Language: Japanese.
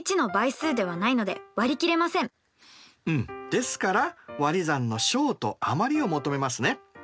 ですからわり算の商と余りを求めますね。